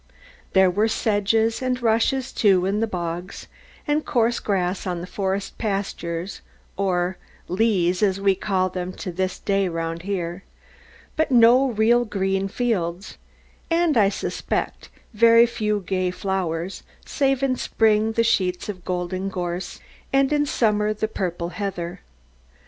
There were sedges and rushes, too, in the bogs, and coarse grass on the forest pastures or "leas" as we call them to this day round here but no real green fields; and, I suspect, very few gay flowers, save in spring the sheets of golden gorse, and in summer the purple heather.